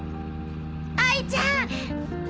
哀ちゃん！